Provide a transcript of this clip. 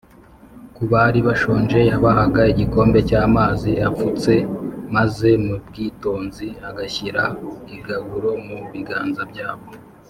. Ku bari bashonje Yabahaga igikombe cy’amazi afutse, maze mu bwitonzi agashyira igaburo mu biganza byabo